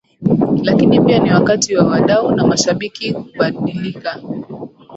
Lakini pia Ni wakati wa wadau na mashabiki kubadilika